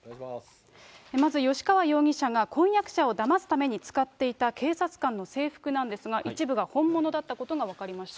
まず吉川容疑者が婚約者をだますために使っていた警察官の制服なんですが、一部が本物だったことが分かりました。